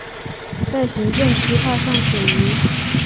在行政区划上属于。